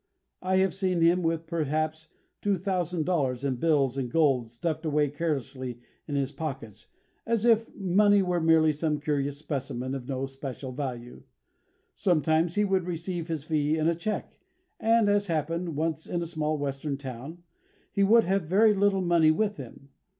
I have seen him with perhaps $2,000 in bills and gold stuffed away carelessly in his pocket, as if money were merely some curious specimen of no special value. Sometimes he would receive his fee in a cheque, and, as happened once in a small Western town, he would have very little money with him.